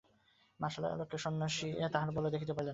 মশালের আলোকে সন্ন্যাসী তাহার তল দেখিতে পাইলেন না।